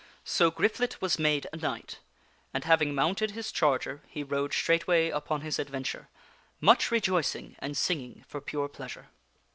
So Griflet was made a knight, and having mounted his charger, he rode straightway upon his adventure, much rejoicing and singing for pure pleasure.